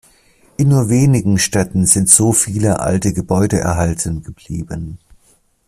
In nur wenigen Städten sind so viele alte Gebäude erhalten geblieben.